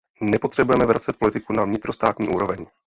Nepotřebujeme vracet politiku na vnitrostátní úroveň.